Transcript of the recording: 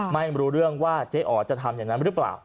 ไม่รู้เรื่องว่าเจ๊อ๋อจะทำอย่างนั้นหรือเปล่า